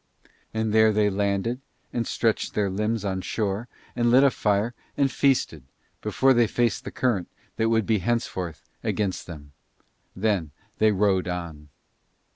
And there they landed and stretched their limbs on shore and lit a fire and feasted, before they faced the current that would be henceforth against them. Then they rowed on.